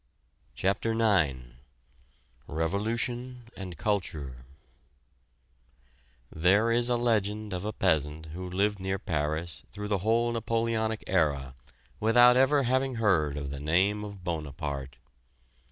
CHAPTER IX REVOLUTION AND CULTURE There is a legend of a peasant who lived near Paris through the whole Napoleonic era without ever having heard of the name of Bonaparte.